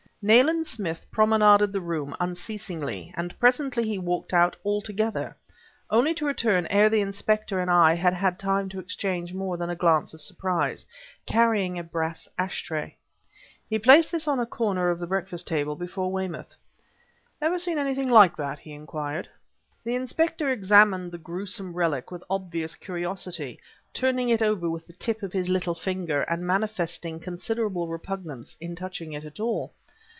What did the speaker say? Nayland Smith promenaded the room, unceasingly, and presently he walked out altogether, only to return ere the inspector and I had had time to exchange more than a glance of surprise, carrying a brass ash tray. He placed this on a corner of the breakfast table before Weymouth. "Ever seen anything like that?" he inquired. The inspector examined the gruesome relic with obvious curiosity, turning it over with the tip of his little finger and manifesting considerable repugnance in touching it at all.